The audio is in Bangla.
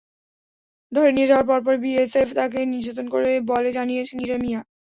ধরে নিয়ে যাওয়ার পরপরই বিএসএফ তাঁকে নির্যাতন করে বলে জানিয়েছেন ইরা মিয়া।